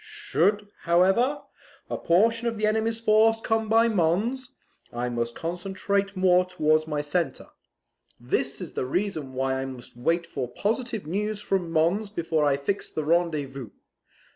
Should, however, a portion of the enemy's force come by Mons, I must concentrate more towards my centre. This is the reason why I must wait for positive news from Mons before I fix the rendezvous.